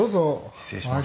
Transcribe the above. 失礼します。